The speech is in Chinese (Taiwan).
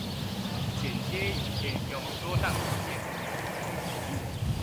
剪接影片用桌上型電腦